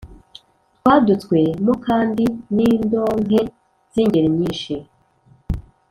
twadutswe mo kandi n'indonke z' ingeri nyinshi,